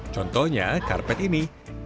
contohnya karpet ini